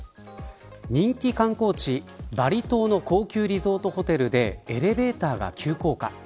人気観光地、バリ島の高級リゾートホテルでエレベーターが急降下。